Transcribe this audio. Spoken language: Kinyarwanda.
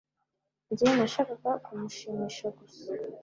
Njye nashakaga kumushimisha gusa